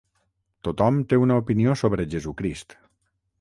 Tothom té una opinió sobre Jesucrist.